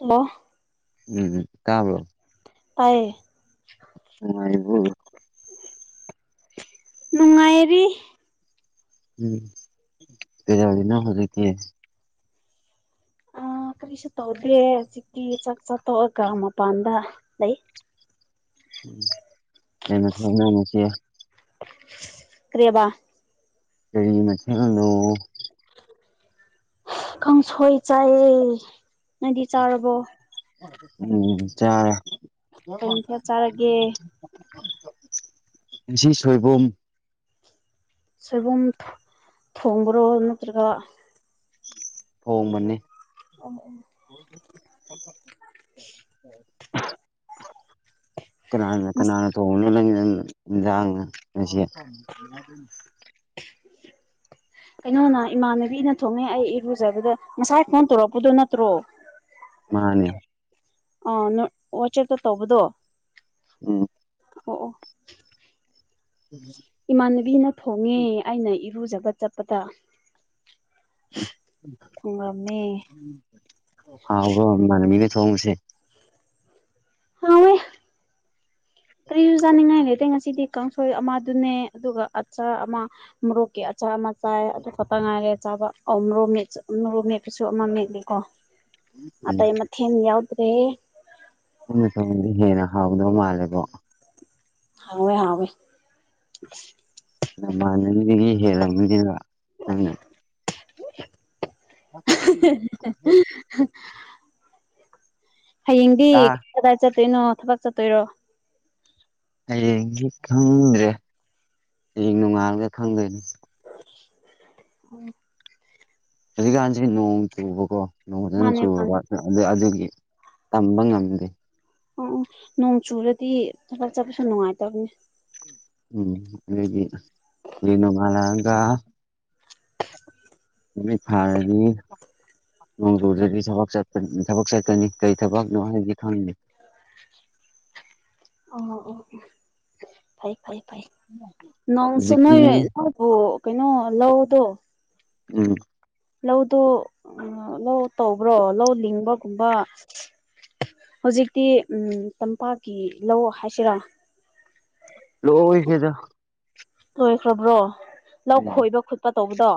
Hello ꯎꯝ ꯎꯝ ꯇꯕ꯭ꯔꯣ ꯇꯥꯏꯌꯦ ꯇꯨꯉꯥꯏꯔꯤꯕꯣ ꯅꯨꯡꯉꯥꯏꯔꯤ ꯎꯝ ꯀꯩꯗꯧꯔꯤꯅꯣ ꯍꯧꯖꯤꯛꯇꯤ ꯑ ꯀꯔꯤꯁꯨ ꯇꯧꯗꯔꯦ ꯍꯧꯖꯤꯛꯇꯤ ꯆꯥꯛ ꯆꯥꯊꯣꯛꯑꯒ ꯃꯄꯥꯟꯗ ꯂꯩ ꯀꯩ ꯃ [unintelligible] ꯁꯦ ꯀꯔꯤꯕ ꯀꯔꯤ ꯃꯊꯦꯜꯅꯣ ꯀꯥꯡꯁꯣꯏ ꯆꯥꯏꯌꯦ ꯅꯗꯤ ꯆꯥꯔꯕꯣ ꯎꯝ ꯆꯔꯦ ꯀꯩ ꯃꯊꯦꯜ ꯆꯥꯔꯒꯦ ꯉꯁꯤ ꯁꯣꯏꯕꯨꯝ ꯁꯣꯏꯕꯨꯝ ꯊꯣꯡꯕ꯭ꯔꯣ ꯅꯠꯇ꯭ꯔꯒ ꯊꯣꯡꯕꯅꯦ ꯑꯣ ꯑꯣ [unintelligible] ꯍ [unintelligible] ꯀꯅꯥ ꯉꯁ ꯀꯅꯥꯅ ꯇꯣꯡꯂ [unintelligible] ꯉꯁꯤ [unintelligible] [unintelligible] ꯀꯩꯅꯣꯅ ꯏꯃꯥꯟꯅꯕꯤꯅ ꯊꯣꯡꯉꯦ ꯑꯩ ꯏꯔꯨꯖꯕꯗ ꯉꯁꯥꯏ ꯐꯣꯟ ꯇꯧꯔꯛꯄꯗꯣ ꯅꯠꯇ꯭ꯔꯣ ꯃꯥꯟꯅꯦ ꯑꯥ ꯅꯪ ꯋꯥꯆꯦꯞꯇ ꯇꯧꯕꯗꯣ ꯎꯝ ꯑꯣ ꯑꯣ [unintelligible] ꯏꯃꯥꯟꯅꯕꯤꯅ ꯊꯣꯡꯉꯦ ꯑꯩꯅ ꯏꯔꯨꯖꯕ ꯆꯠꯄꯗ ꯊꯣꯡꯔꯝꯃꯦ ꯍꯥꯎ ꯕꯔꯣ ꯅꯃꯥꯟꯅꯕꯤꯅ ꯊꯣꯡꯕꯁꯦ ꯍꯥꯎꯋꯦ ꯀꯔꯤꯁꯨ ꯆꯥꯅꯤꯡꯉꯥꯏ ꯂꯩꯇꯦ ꯉꯁꯤꯗꯤ ꯀꯥꯡꯁꯣꯏ ꯑꯃꯗꯨꯅꯦ ꯑꯗꯨꯒ ꯑꯆꯥ ꯑꯃ ꯃꯣꯔꯣꯛꯀꯤ ꯑꯆꯥ ꯑꯃ ꯆꯥꯏ ꯑꯗꯨ ꯈꯛꯇ ꯉꯥꯏꯔꯦ ꯆꯥꯕ ꯑꯎ ꯃꯣꯔꯣꯛ ꯃꯦꯠꯆ ꯃꯣꯛ ꯃꯦꯠꯄꯁꯨ ꯑꯃ ꯃꯦꯠꯂꯤꯀꯣ ꯎꯝ ꯑꯇꯩ ꯃꯊꯦꯟ ꯌꯥꯎꯗ꯭ꯔꯦ [unintelligible] ꯇꯧꯕꯅꯤ ꯍꯦꯟꯅ ꯍꯥꯎꯗꯕꯧ ꯃꯥꯜꯂꯦꯀꯣ ꯍꯥꯎꯋꯦ ꯍꯥꯎꯋꯦ ꯅꯃꯟꯅꯕꯤꯗꯒꯤ ꯍꯦꯂꯝꯒꯅꯤꯕ ꯅꯪꯅ [unintelligible] ꯍꯌꯦꯡꯗꯤ ꯇꯥ ꯀꯗꯥꯏ ꯀꯗꯥꯏ ꯆꯠꯇꯣꯏꯅꯣ ꯊꯕꯛ ꯆꯠꯇꯣꯏꯔꯣ ꯍꯌꯦꯡꯗꯤ ꯈꯪꯗ꯭ꯔꯦ ꯍꯌꯦꯡ ꯅꯣꯡꯉꯥꯜꯂꯒ ꯈꯪꯗꯣꯏꯅꯤ ꯎꯝ ꯍꯧꯖꯤꯛꯀꯥꯟꯁꯤ ꯅꯣꯡ ꯆꯨꯕꯀꯣ ꯅꯣꯡ ꯐꯖꯥꯅ ꯃꯥꯅꯦ ꯃꯥꯅꯦ ꯆꯨꯨꯔꯕ ꯑꯗꯨ ꯑꯗꯨꯒꯤ ꯇꯝꯕ ꯉꯝꯗꯦ ꯑꯣ ꯑꯣ ꯅꯣꯡ ꯆꯨꯔꯗꯤ ꯊꯥꯕꯛ ꯆꯠꯄꯁꯨ ꯅꯨꯡꯉꯥꯏꯇꯕꯅꯦ ꯎꯝ ꯑꯗꯨꯗꯤ ꯂꯦꯅꯨꯡꯉꯂꯥꯡꯒ ꯃꯤꯠ [unintelligible] ꯅꯤ ꯅꯣꯡꯖꯨꯗꯔꯗꯤ ꯊꯕꯛ ꯆꯠꯀꯅꯤ ꯊꯕꯛ ꯆꯠꯀꯅꯤ ꯀꯔꯤ ꯊꯕꯛꯅꯣ ꯍꯥꯏꯗꯤ ꯈꯪꯗꯦ ꯑꯣ ꯑꯣ ꯑꯣ ꯐꯩ ꯐꯩ ꯐꯩ ꯅꯪꯁꯨ ꯍꯧꯖꯤꯛꯀꯤ ꯅꯣꯏ ꯅꯪꯕꯨ ꯀꯩꯅꯣ ꯂꯧꯗꯣ ꯎꯝ ꯂꯧꯗꯣ ꯎ ꯂꯧ ꯇꯧꯕ꯭ꯔꯣ ꯂꯧ ꯂꯤꯡꯕꯒꯨꯝꯕ ꯍꯧꯖꯤꯛꯇꯤ ꯇꯝꯄꯥꯛꯀꯤ ꯂꯧ ꯍꯥꯏꯁꯤꯔꯥ ꯂꯣꯢꯈ꯭ꯔꯦꯗ ꯂꯣꯏꯈ꯭ꯔꯕ꯭ꯔꯣ ꯂꯧ ꯎꯝ ꯈꯣꯏꯕ ꯈꯣꯠꯄ ꯇꯧꯕꯗꯣ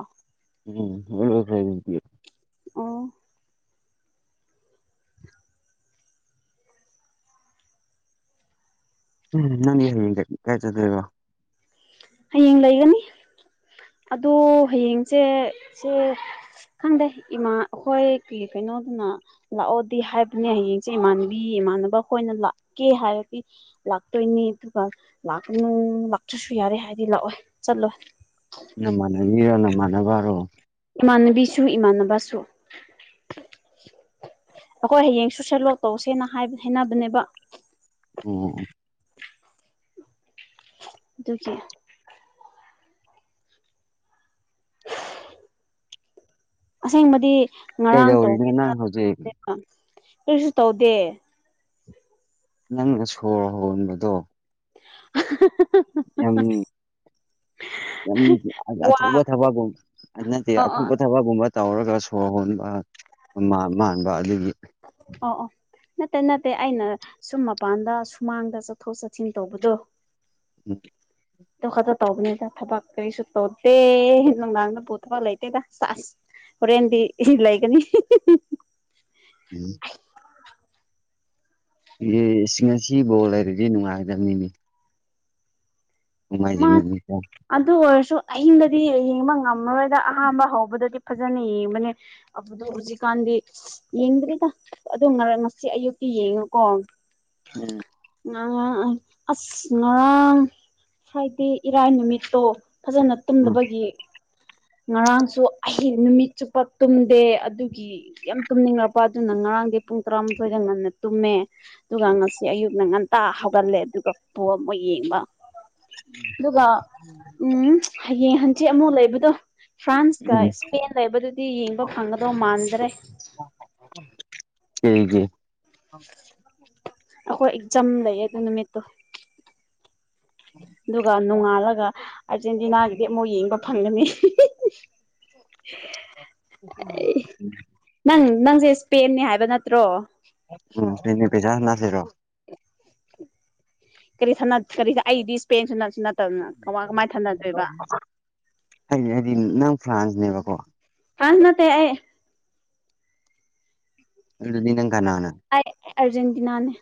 ꯎꯝ ꯑꯣ ꯐꯥꯏꯦ [unintelligible] ꯑꯣ ꯎꯝ ꯅꯪ ꯍꯌꯦꯡ ꯀꯥꯏ ꯆꯠꯗꯣꯏꯕ ꯑꯝ ꯍꯌꯦꯡ ꯂꯩꯒꯅꯤ ꯑꯗꯣ ꯍꯌꯦꯡꯁꯦ ꯁꯦ ꯈꯪꯗꯦ ꯏꯃꯥ ꯑꯩꯈꯣꯏꯒꯤ ꯀꯩꯅꯣꯗꯨꯅ ꯂꯥꯛꯑꯣꯗꯤ ꯍꯥꯏꯕꯅꯦ ꯍꯌꯦꯡꯁꯦ ꯏꯃꯥꯟꯅꯕꯤ ꯏꯃꯥꯟꯅꯕ ꯑꯩꯈꯣꯏꯅ ꯂꯥꯛꯀꯦ ꯍꯥꯏꯔꯗꯤ ꯂꯥꯛꯇꯣꯏꯅꯤ ꯑꯗꯨꯒ ꯂꯥꯛꯒꯅ ꯂꯥꯛꯇ꯭ꯔꯁꯨ ꯌꯥꯔꯦ ꯍꯥꯏꯗꯤ ꯂꯥꯛꯑꯣꯏ ꯆꯠꯂꯣꯏ ꯅꯃꯥꯅꯕꯤꯔꯣ ꯅꯃꯥꯅꯕꯔꯣ ꯏꯃꯥꯟꯅꯕꯤꯁꯨ ꯏꯃꯥꯟꯅꯕꯁꯨ ꯑꯩꯈꯣꯏ ꯍꯌꯦꯡ ꯁꯦꯂꯣꯛ ꯋꯥꯛ ꯇꯧꯁꯦꯅ ꯍꯥꯏꯅꯕꯅꯦꯕ ꯑꯣ ꯑꯗꯨꯒꯤ ꯑꯁꯦꯡꯕꯗꯤ ꯉꯔꯥꯡ ꯀꯩꯗꯧꯔꯤꯅꯣ ꯇꯧꯈꯤ ꯅꯪ ꯍꯧꯖꯤꯛ [unintelligible] ꯀꯔꯤꯁꯨ ꯇꯧꯗꯦ ꯅꯪꯅ ꯁꯣꯔ ꯍꯣꯟꯕꯗꯣ ꯌꯥꯝ ꯌꯥꯝ ꯋꯥ ꯑꯊꯨꯕ ꯊꯕꯛꯒꯨꯝ ꯅꯠꯇꯦ ꯑ ꯑ ꯑꯣ ꯑꯊꯨꯄ ꯊꯕꯛꯒꯨꯝꯕ ꯇꯧꯔꯒ ꯁꯣꯔ ꯍꯣꯟꯕ ꯃꯥꯟꯕ ꯑꯗꯨꯒꯤ ꯑꯣ ꯑꯣ ꯅꯠꯇꯦ ꯅꯠꯇꯦ ꯑꯩꯅ ꯁꯨꯝ ꯃꯄꯥꯟꯗ ꯁꯨꯃꯥꯡꯗ ꯆꯠꯊꯣꯛ ꯆꯠꯁꯤꯟ ꯇꯧꯕꯗꯣ ꯑꯣ [unintelligible] ꯈꯛꯇ ꯇꯧꯕꯅꯤꯗ ꯊꯕꯛ ꯀꯔꯤꯁꯨ ꯇꯧꯗꯦ ꯅꯨꯡꯗꯥꯡꯗ ꯄꯨ ꯊꯕꯛ ꯂꯩꯇꯦꯗ ꯁꯦꯁ ꯍꯣꯔꯦꯟꯗꯤ ꯂꯩꯒꯅꯤ ꯎꯝ ꯏꯍꯦ ꯉꯁꯤ ꯕꯣꯜ ꯂꯩꯔꯗꯤ ꯅꯨꯡꯉꯥꯏꯒꯗꯕꯅꯤꯅꯦ ꯃꯖꯦ ꯃꯥ ꯃ [unintelligible] ꯑꯗꯨ ꯑꯣꯏꯔꯁꯨ ꯑꯍꯤꯡꯗꯗꯤ ꯌꯦꯡꯕ ꯉꯝꯃꯔꯣꯏꯗ ꯑꯍꯥꯟꯕ ꯍꯧꯕꯗꯗꯤ ꯐꯖꯅ ꯌꯦꯡꯕꯅꯦ ꯑꯗꯨ ꯍꯧꯖꯤꯛꯀꯥꯟꯗꯤ ꯌꯦꯡꯗ꯭ꯔꯤꯗ ꯑꯗꯨ ꯉꯁꯤ ꯑꯌꯨꯛꯇꯤ ꯌꯦꯡꯉꯨꯀꯣ ꯎꯝ ꯉꯥꯡ ꯑꯁ ꯉꯔꯥꯡ ꯐ꯭ꯔꯥꯏꯗꯦ ꯏꯔꯥꯏ ꯅꯨꯃꯤꯠꯇꯣ ꯐꯖꯅ ꯇꯨꯝꯗꯅꯕꯒꯤ ꯉꯔꯥꯡꯁꯨ ꯑꯩ ꯅꯨꯃꯤꯠ ꯆꯨꯞꯄ ꯇꯨꯝꯗꯦ ꯑꯗꯨꯒꯤ ꯌꯥꯝ ꯇꯨꯝꯅꯤꯡꯂꯛꯄ ꯑꯗꯨꯅ ꯉꯔꯥꯡꯗꯤ ꯄꯨꯡ ꯇꯔꯥꯃꯥꯊꯣꯏꯗ ꯉꯟꯅ ꯇꯨꯝꯃꯦ ꯑꯗꯨꯒ ꯉꯁꯤ ꯑꯌꯨꯛꯅ ꯉꯟꯇꯥ ꯍꯧꯒꯠꯂꯦ ꯑꯗꯨꯒ ꯄꯣꯜ ꯑꯃꯨꯛ ꯌꯦꯡꯕ ꯑꯗꯨꯒ ꯎꯝ ꯍꯌꯦꯡ ꯍꯟꯆꯤꯠ ꯑꯃꯨꯛ ꯂꯩꯕꯗꯣ ꯐ꯭ꯔꯥꯟꯁꯀ ꯎꯝ ꯏꯁꯄꯦꯟ ꯂꯩꯕꯗꯨꯗꯤ ꯌꯦꯡꯕ ꯐꯪꯒꯗꯧ ꯃꯥꯟꯗ꯭ꯔꯦ ꯀꯩꯒꯤ ꯑꯩꯈꯣꯏ ꯑꯦꯛꯖꯥꯝ ꯂꯩꯌꯦ ꯑꯗꯨ ꯅꯨꯃꯤꯠꯇꯣ ꯑꯗꯨꯒ ꯅꯣꯡꯉꯥꯜꯂꯒ ꯑꯥꯔꯖꯦꯟꯇꯤꯅꯥꯒꯤꯗꯤ ꯑꯃꯨꯛ ꯌꯦꯡꯕ ꯐꯪꯒꯅꯤ ꯅꯪ ꯅꯪꯁꯦ ꯏꯁꯄꯦꯟꯅꯤ ꯍꯥꯏꯕ ꯅꯠꯇ ꯇ꯭ꯔꯣ ꯎꯝ ꯏꯁꯄꯦꯏꯟ ꯄꯩꯁꯥ ꯍꯟꯅꯥꯁꯤꯔꯣ ꯀꯔꯤ ꯀꯔꯤ ꯑꯩꯗꯤ ꯏꯁꯄꯦꯟꯁꯨ ꯅꯁꯨ ꯅꯠꯇꯕꯅ ꯀꯃꯥꯏ ꯀꯃꯥꯏꯅ ꯊꯥꯟꯅꯗꯣꯏꯕ ꯍꯥꯏꯗꯤ ꯍꯥꯏꯗꯤ ꯅꯪ ꯐ꯭ꯔꯥꯟꯁꯅꯦꯕꯀꯣ ꯍꯥꯟꯅꯠꯇ ꯑꯦ ꯑꯗꯨꯗꯤꯅꯪ ꯀꯥꯟꯅꯥꯅ ꯑꯩ ꯑꯔꯖꯦꯟꯇꯤꯅꯥꯅꯦ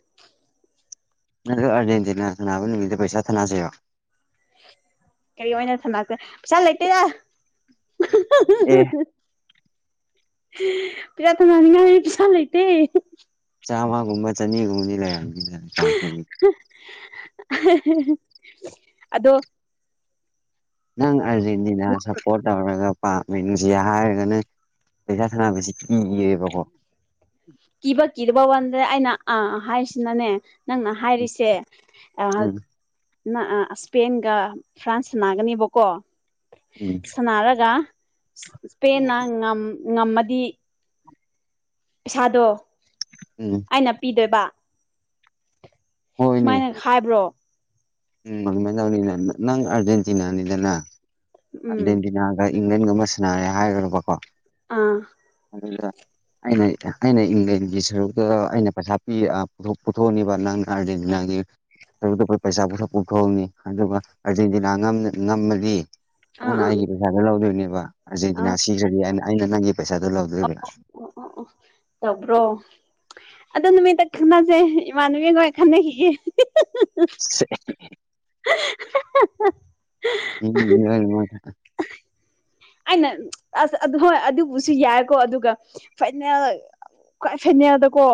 ꯅ ꯑꯥꯔꯖꯦꯟꯇꯤꯅꯥ ꯁꯅꯥꯅꯕ ꯅꯨꯃꯤꯠꯇꯗ ꯄꯩꯁꯥ ꯊꯥꯟꯅꯖꯔꯣ꯫ ꯀꯔꯤ ꯑꯣꯏꯅ ꯊꯅꯥꯁꯦ ꯄꯩꯁꯥ ꯂꯩꯇꯦꯔ ꯑꯦ ꯄꯔꯇꯩ [unintelligible] ꯅꯅꯤꯌꯥ ꯄꯩꯁꯥ ꯂꯩꯇ ꯆꯥꯝꯃꯒꯨꯝꯕ ꯆꯅꯤꯒꯨꯝꯕꯗꯤ ꯂꯩꯔꯕꯝꯅꯤꯅ ꯑꯗꯣ ꯅꯪ ꯑꯔꯖꯦꯟꯇꯤꯅꯥ ꯁꯄꯣꯔꯠ ꯇꯧꯔꯒ ꯄꯥꯅꯨꯡꯁꯤ ꯍꯥꯏꯔꯒꯅ ꯄꯩꯁꯥ ꯁꯥꯟꯅꯕꯁꯤ ꯀꯤꯔꯦꯕꯀꯣ ꯀꯤꯕ ꯀꯤꯔꯕ ꯋꯥꯟꯗ꯭ꯔꯦ ꯑꯩꯅ ꯑꯥ ꯍꯥꯏꯁꯤꯅꯅꯦ ꯅꯪꯅ ꯍꯥꯏꯔꯤꯁꯦ ꯑꯥ ꯎꯝ ꯅ ꯑꯥ ꯏꯁꯄꯦꯟꯒ ꯐ꯭ꯔꯥꯟꯁ ꯅꯥꯒꯅꯦꯕꯀꯣ ꯎꯝ ꯁꯥꯟꯅꯔꯒ ꯏꯁꯄꯦꯟꯅ ꯉꯝꯉꯝꯃꯗꯤ ꯄꯤꯁꯥꯥꯗꯣ ꯎꯝ ꯑꯩꯅꯥ ꯄꯤꯗꯣꯏꯕ ꯁꯨꯃꯥꯏꯅ ꯍꯥꯏꯕ꯭ꯔꯣ ꯎꯝꯃꯪꯉꯗꯅꯤꯅ ꯅꯪ ꯑꯔꯖꯦꯟꯇꯤꯅꯥꯅꯤꯗꯅ ꯎꯝ ꯑꯥꯔꯖꯦꯟꯇꯤꯅꯥꯒ ꯏꯪꯂꯦꯟꯒꯨꯝꯕ ꯁꯥꯟꯅꯔꯦ ꯍꯥꯏꯈ꯭ꯔꯕꯀꯣ ꯑꯥ ꯑꯗꯨꯗꯥ ꯑꯩꯅ ꯑꯩꯅ ꯏꯪꯂꯦꯟꯒꯤ ꯁꯔꯨꯛꯇ ꯑꯩꯅ ꯄꯩꯁꯥ ꯄꯤ ꯄꯨꯊꯣꯛꯑꯅꯦꯕ ꯅꯪ ꯑꯔꯖꯦꯟꯇꯤꯅꯥꯒꯤ [unintelligible] ꯄꯩꯁꯥ ꯄꯨꯊꯣꯛ ꯄꯨꯊꯣꯛꯑꯅꯤ ꯑꯗꯨꯒ ꯑꯥꯔꯖꯦꯟꯇꯤꯅꯥ ꯉꯝꯅ ꯉꯝꯃꯗꯤ ꯑꯥ ꯅꯪꯅ ꯑꯥ ꯑꯩꯒꯤ ꯄꯩꯁꯥꯗꯣ ꯂꯧꯗꯣꯏꯅꯦꯕ ꯑꯥ ꯑꯥ ꯑꯥꯔꯖꯦꯟꯇꯤꯅꯥ ꯁꯤꯈ꯭ꯔꯗꯤ ꯑꯩꯅ ꯑꯩꯅ ꯅꯪꯒꯤ ꯄꯩꯁꯥꯗꯣ ꯂꯧꯗꯣꯏꯕ ꯑꯣ ꯑꯣ ꯑꯣ ꯇꯕ꯭ꯔꯣ ꯑꯗꯨ ꯅꯨꯃꯤꯠꯇ ꯈꯟꯅꯁꯦ ꯏꯃꯥꯟꯅꯕꯤꯒꯣꯏ ꯈꯟꯅꯈꯤꯒꯦ ꯁꯤ [unintelligible] ꯎꯝ ꯌ ꯃꯥ꯭ [unintelligible] ꯔ ꯑꯩꯅ ꯑꯁ ꯍꯣꯏ ꯑꯗꯨꯕꯨꯁꯨ ꯌꯥꯏꯀꯣ ꯑꯗꯨꯒ ꯐꯥꯏꯅꯦꯜ ꯈꯋ꯭ꯥꯏ ꯐꯥꯏꯅꯦꯜꯗ ꯀꯣ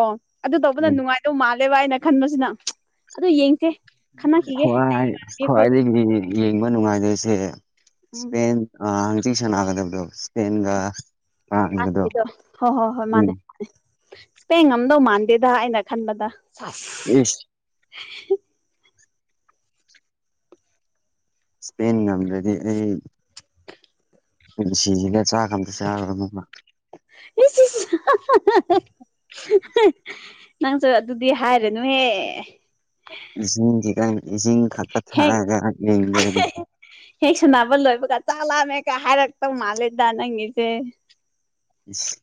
ꯑꯗꯨ ꯇꯧꯕꯅ ꯅꯨꯡꯉꯥꯏꯗꯧ ꯃꯥꯜꯂꯦꯕ ꯑꯩꯅ ꯈꯟꯕꯁꯤꯅ ꯑꯗꯨ ꯌꯦꯡꯁꯦ ꯈꯟꯅꯈꯤꯒꯦ ꯈꯋꯥ ꯈꯋꯥꯥꯏꯗ ꯑꯩꯈꯣꯏꯗ ꯌꯦꯡꯕ ꯅꯨꯡꯉꯥꯏꯗꯣꯏꯁꯦ ꯎꯝ ꯏꯁꯄꯦꯟ ꯍꯪꯆꯤ ꯁꯥꯟꯅꯒꯗꯕꯗꯣ ꯏꯁꯄꯦꯟꯒ ꯐ꯭ꯔꯥꯟꯁꯒꯗꯣ ꯗꯣ ꯍꯣ ꯍꯣꯏ ꯍꯣꯏ ꯎꯝ ꯃꯥꯅꯦ ꯏꯁꯄꯦꯡ ꯉꯝꯗꯧ ꯃꯥꯟꯗꯦꯗ ꯑꯩꯅ ꯈꯟꯕꯗ ꯏꯁ ꯏꯁꯄꯦꯟ ꯉꯝꯒ꯭ꯔꯗꯤ ꯑꯩ ꯄꯨꯟꯁꯤꯖꯤꯒ ꯆꯥꯛꯀ ꯑꯝꯇ ꯆꯔꯔꯣꯏ ꯃꯃꯥ [unintelligible] ꯅꯪꯁꯨ ꯑꯗꯨꯗꯤ ꯍꯥꯏꯔꯅꯨꯍꯦ ꯏꯁꯤꯡ ꯈꯤꯇꯪ ꯏꯁꯤꯡ ꯈꯛꯇ ꯍꯦꯛ ꯊꯥꯛꯒ ꯌꯦꯡꯗꯣꯏꯅꯤ ꯍꯦꯛ ꯁꯥꯟꯅꯕ ꯂꯣꯏꯕꯒ ꯆꯥꯛ ꯂꯝꯃꯦꯒ ꯍꯥꯏꯔꯛꯇꯧ ꯃꯥꯜꯂꯦꯗ ꯅꯪꯒꯤꯁꯦ ꯏꯁ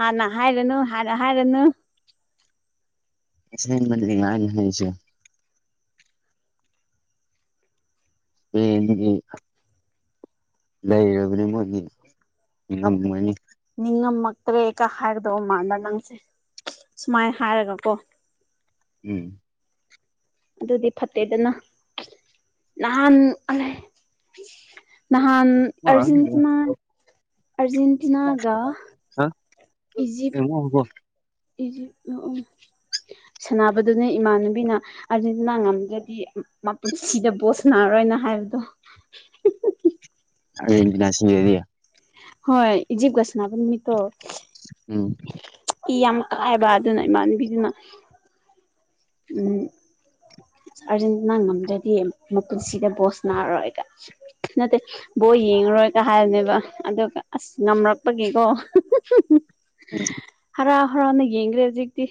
ꯍꯥꯟꯅ ꯍꯥꯏꯔꯅꯨ ꯍꯥꯟꯅ ꯍꯥꯏꯔꯅꯨ ꯑꯁꯦꯕꯅꯦ ꯉꯥꯡꯉꯤꯖꯦ ꯍꯌꯦꯡꯗꯒꯤ ꯂꯩꯔꯕꯅꯤ ꯃꯣꯏꯒꯤ ꯉꯝꯃꯅꯤ ꯅꯤꯡꯉꯝꯃꯛꯇ꯭ꯔꯦꯀ ꯍꯥꯏꯒꯗꯧꯕ ꯃꯥꯟꯕ ꯅꯪꯁꯦ ꯁꯨꯃꯥꯏꯅ ꯍꯥꯏꯔꯒ ꯀꯣ ꯎꯝ ꯑꯗꯨꯗꯤ ꯐꯠꯇꯦꯗꯅ ꯅꯍꯥꯟ ꯅꯍꯥꯟ ꯑꯔꯖꯦꯟꯇꯤꯅꯥ ꯑꯔꯖꯦꯟꯦꯟꯇꯤꯅꯥꯒ [unintelligible] [unintelligible] ꯁꯥꯟꯅꯕꯗꯨꯅꯦ ꯏꯃꯥꯟꯅꯕꯤꯅ ꯑꯥꯔꯖꯦꯟꯇꯤꯅꯥ ꯉꯝꯗ꯭ꯔꯗꯤ ꯃꯄꯨꯟꯁꯤꯗ ꯕꯣꯁ ꯁꯅꯥꯔꯣꯏꯅ ꯍꯥꯏꯕꯗꯣ [inaudible] ꯑꯔꯖꯦꯟꯇꯤꯅꯥ ꯁꯤꯔꯗꯤ ꯍꯣꯏ ꯏꯖꯤꯞꯀ ꯁꯅꯕ ꯅꯨꯃꯤꯠꯇꯣ ꯎꯝ ꯏ ꯌꯥꯝ ꯀꯥꯏꯑꯦꯕ ꯑꯗꯨꯅ ꯏꯃꯥꯟꯕꯤꯗꯨꯅ ꯎꯝ ꯑꯥꯔꯖꯦꯟꯇꯤꯅꯥ ꯉꯝꯗ꯭ꯔꯗꯤ ꯃꯄꯨꯟꯁꯤꯗ ꯕꯣꯁ ꯅꯥꯔꯣꯏꯒ ꯅꯠꯇꯦ ꯕꯣ ꯌꯦꯡꯉꯔꯣꯏ ꯀ ꯍꯥꯏꯕꯅꯦꯕ ꯑꯗꯨꯒ ꯑꯁ ꯉꯝꯔꯛꯄꯒꯤꯀꯣ ꯎꯝ ꯍꯔꯥꯎ ꯍꯔꯥꯎꯅ ꯌꯦꯡꯒ꯭ꯔꯦ ꯍꯧꯖꯤꯛꯇꯤ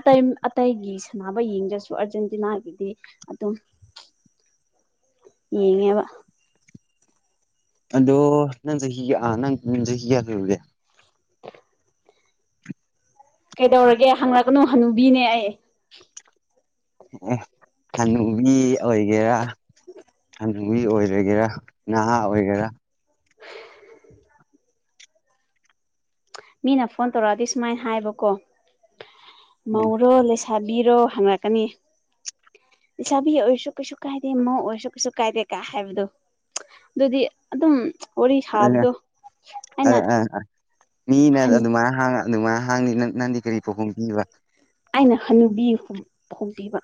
ꯑꯇꯩ ꯑꯇꯩꯒꯤ ꯁꯥꯟꯅꯕ ꯌꯦꯡꯗ꯭ꯔꯁꯨ ꯑꯔꯖꯦꯟ ꯇꯤꯅꯒꯤꯗꯤ ꯑꯗꯨꯝ ꯌꯦꯡꯉꯦꯕ ꯑꯗꯣ ꯅꯪ ꯆꯍꯤ ꯑ ꯅꯪ ꯆꯍꯤꯒ ꯀꯌꯥ ꯁꯨꯔꯒꯦ ꯀꯩꯗꯧꯔꯒꯦ ꯍꯪꯉꯛꯀꯅꯨ ꯍꯅꯨꯕꯤꯅꯦ ꯑꯩ ꯑꯣ ꯍꯅꯨꯕꯤ ꯑꯣꯏꯒꯦꯔꯥ [inaudible] ꯍꯥꯟꯅꯨꯕꯤ ꯑꯣꯏꯔꯒꯦꯔꯥ ꯅꯍꯥ ꯑꯣꯏꯒꯦꯔꯥ ꯃꯤꯅ ꯐꯣꯟ ꯇꯧꯔꯛꯑꯗꯤ ꯁꯨꯃꯥꯏꯅ ꯍꯥꯏꯕꯀꯣ ꯎꯝ ꯃꯧꯔꯣ ꯂꯩꯁꯥ ꯊꯥꯕꯤꯔꯣ ꯍꯪꯔꯛꯀꯅꯤ ꯂꯩꯁꯥꯕꯤ ꯑꯣꯏꯔꯁꯨ ꯀꯩꯁꯨ ꯀꯥꯏꯗꯦ ꯃꯧ ꯑꯣꯏꯔꯁꯨ ꯀꯩꯁꯨ ꯀꯥꯏꯗꯦ ꯀꯥ ꯍꯥꯏꯕꯗꯨ ꯑꯗꯨꯗꯤ ꯑꯗꯨꯝ ꯋꯥꯔꯤ ꯑꯗꯨꯅ ꯁꯥꯕꯗꯣ ꯑ ꯑꯩꯅ ꯑ ꯃꯤꯅ ꯑꯗꯨꯃꯥꯏꯅ ꯍꯥꯡ ꯑꯗꯨꯃꯥꯏꯅ ꯍꯥꯡꯉꯤ ꯅꯪꯗꯤ ꯀꯔꯤ ꯄꯥꯎꯈꯨꯝ ꯄꯤꯕ ꯑꯩꯅ ꯍꯅꯨꯕꯤ ꯐꯣꯡꯗꯤꯕ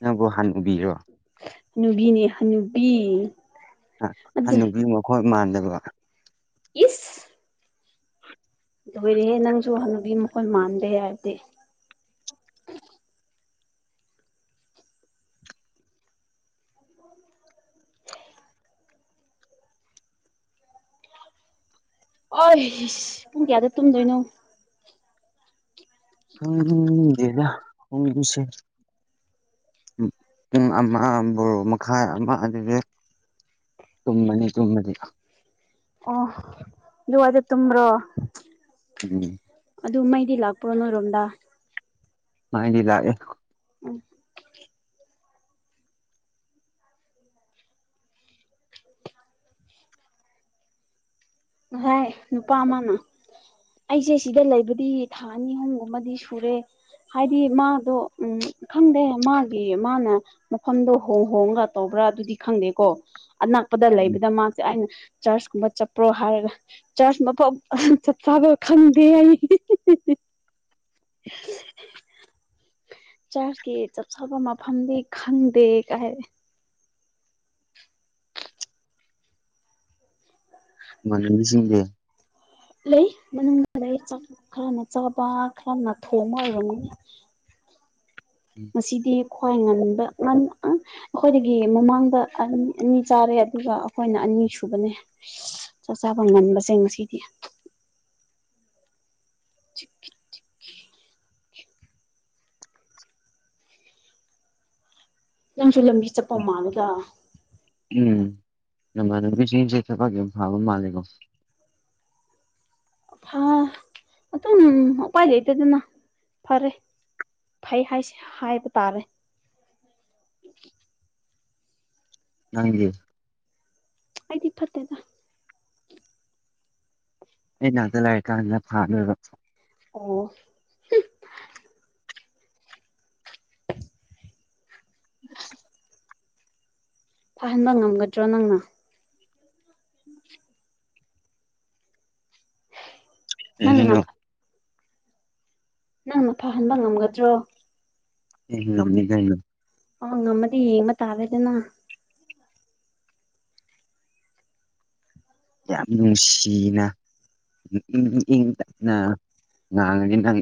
ꯅꯪꯕꯨ ꯍꯥꯟꯅꯨꯕꯤꯔꯣ ꯍꯅꯨꯕꯤꯅꯦ ꯍꯅꯨꯕꯤ ꯑ ꯑꯗꯨ ꯍꯅꯨꯕꯤ ꯃꯈꯣꯟ ꯃꯥꯟꯗꯕ ꯏꯁ ꯂꯣꯏꯔꯦꯍꯦ ꯅꯪꯁꯨ ꯍꯥꯅꯨꯕꯤ ꯃꯈꯣꯟ ꯃꯥꯟꯗꯦ ꯍꯥꯏꯕꯗꯤ ꯑꯣ ꯏꯁ ꯄꯨꯡ ꯀꯌꯥꯗ ꯇꯨꯝꯗꯣꯏꯅꯣ ꯈꯪꯗꯦꯗ ꯄꯨꯡꯁꯤ ꯄꯨꯡ ꯑꯃꯥ ꯕꯥꯔꯣ ꯃꯈꯥꯏ ꯑꯃꯥ ꯑꯗꯨꯗꯤ ꯇꯨꯝꯃꯅꯤ ꯇꯨꯝꯕꯗꯤ ꯑꯣ ꯑꯗꯨꯋꯥꯏꯗ ꯇꯨꯝꯕ꯭ꯔꯣ ꯎꯝ ꯑꯗꯨ ꯃꯩꯗꯤ ꯂꯥꯛꯄ꯭ꯔꯣ ꯅꯣꯏꯔꯣꯝꯗ ꯃꯩꯗꯤ ꯂꯥꯛꯑꯦ ꯎꯝ ꯉꯁꯥꯏ ꯅꯨꯄꯥ ꯑꯃꯥꯅ ꯑꯩꯁꯦ ꯁꯤꯗ ꯂꯩꯕꯗꯤ ꯊꯥ ꯑꯅꯤ ꯑꯍꯨꯝꯒꯨꯝꯕꯗꯤ ꯁꯨꯔꯦ ꯍꯥꯏꯗꯤ ꯃꯥꯗꯣ ꯎꯝ ꯈꯪꯗꯦ ꯃꯥꯒꯤ ꯃꯥꯅ ꯃꯐꯝꯗꯣ ꯍꯣꯡ ꯍꯣꯡꯉꯒ ꯇꯧꯕ꯭ꯔꯥ ꯑꯗꯨꯗꯤ ꯈꯪꯗꯦꯀꯣ ꯑꯅꯛ ꯄꯗ ꯎꯝ ꯂꯩꯕꯗ ꯃꯥꯁꯦ ꯑꯩꯅ ꯆꯔꯁꯀꯨꯝꯕ ꯆꯠꯄ꯭ꯔꯣ ꯍꯥꯏꯔꯒ ꯆꯥꯔꯁ ꯃꯐꯝ ꯆꯞ ꯆꯥꯕ ꯈꯪꯗꯦ ꯍꯥꯏ [inaudible] ꯆꯔꯁꯀꯤ ꯆꯞ ꯆꯥꯕ ꯃꯐꯝꯗꯤ ꯈꯪꯗꯦꯒ ꯍꯥꯏ ꯅꯃꯥꯟꯅꯕꯤꯁꯤꯡꯗꯤ ꯂꯩ ꯃꯅꯨꯡꯗ ꯂꯩ ꯆꯥꯛ ꯈꯔꯅ ꯆꯥꯕ ꯈꯔꯅ ꯊꯣꯡꯕ ꯑꯣꯏꯔꯝ ꯉꯁꯤꯗꯤ ꯈ꯭ꯋꯥꯏ ꯉꯟꯕ ꯉꯟꯅ ꯑꯩꯈꯣꯏꯗꯒꯤ ꯃꯃꯥꯡꯗ ꯑꯅꯤ ꯆꯥꯔꯦ ꯑꯗꯨꯒ ꯑꯩꯈꯣꯏꯅ ꯑꯅꯤ ꯁꯨꯕꯅꯦ ꯆꯥꯛ ꯆꯥꯕ ꯉꯟꯕꯁꯦ ꯉꯁꯤꯗꯤ [inaudible] ꯅꯪꯁꯨ ꯂꯝꯕꯤ ꯆꯠꯄ ꯃꯥꯜꯂꯤꯗ ꯎꯝ ꯅꯃꯥꯟꯅꯕꯤꯁꯤꯡꯁꯦ ꯊꯥꯕꯛ ꯌꯥꯝ ꯐꯥꯕ ꯃꯥꯜꯂꯦꯀꯣ ꯍꯥ ꯑꯗꯨꯝ ꯎꯄꯥꯏ ꯂꯩꯇꯦꯗꯅ ꯐꯥꯔꯦ ꯐꯩ ꯍꯥꯏꯁ ꯍꯥꯏꯕ ꯇꯥꯔꯦ ꯅꯪꯗꯤ ꯑꯩꯗꯤ ꯐꯠꯇꯦꯗ ꯑꯩ ꯅꯥꯛꯇ ꯂꯩꯔꯀꯥꯟꯗ ꯐꯥꯗꯣꯏꯕ ꯑꯣ [inaudible] [inaudible] ꯐꯥꯍꯟꯕ ꯉꯝꯒꯗ꯭ꯔꯣ ꯅꯪꯅ ꯅꯪꯅ ꯑꯦꯖꯤꯅꯣ ꯅꯪꯅ ꯐꯥꯍꯟꯕ ꯉꯝꯒꯗ꯭ꯔꯣ ꯑꯦ ꯉꯝꯅꯤ ꯀꯩꯅꯣ ꯑꯣ ꯉꯃꯗꯤ ꯌꯦꯕ ꯇꯥꯔꯦꯗꯅ ꯌꯥꯝ ꯅꯨꯡꯁꯤꯅ ꯏꯪ ꯏꯪ ꯇꯞꯅ ꯉꯥꯡꯉꯗꯤ ꯅꯪ